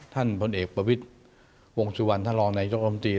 ท่านผลเอกประวิจัยวงศิวรรณท่านรองในยกรรมตรี